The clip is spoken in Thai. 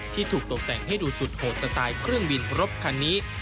ถูกตกแต่งให้ดูสุดโหดสไตล์เครื่องบินรบคันนี้